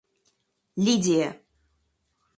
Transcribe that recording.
Лидия